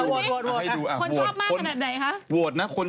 คนชอบมากขนาดไหนคะ